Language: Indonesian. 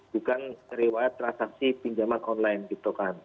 bukan riwayat transaksi pinjaman online gitu kan